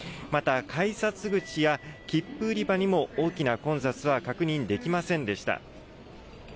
また改札口や切符売り場にも大きな混雑は確認できませんでした。